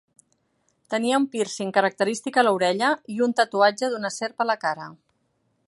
Tenia un pírcing característic a l'orella i un tatuatge d'una serp a la cara.